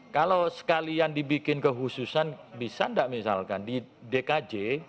kalau sekalian dibikin kehususan bisa nggak misalkan di dkj